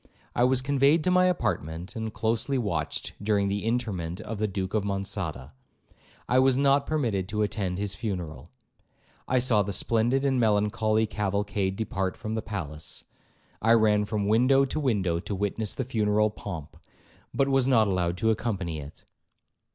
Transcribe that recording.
I was conveyed to my apartment, and closely watched during the interment of the Duke of Monçada. I was not permitted to attend his funeral. I saw the splendid and melancholy cavalcade depart from the palace. I ran from window to window to witness the funeral pomp, but was not allowed to accompany it.